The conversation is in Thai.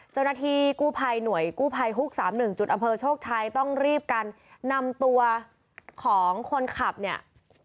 เจ้าหน้าที่กู้ภัยหน่วยกู้ภัยฮุก๓๑จุดอำเภอโชคชัยต้องรีบกันนำตัวของคนขับเนี่ย